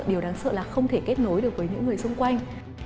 điều đáng sợ là không thể kết nối được với những người xung quanh